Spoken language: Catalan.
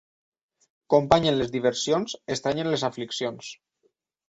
Company en les diversions, estrany en les afliccions.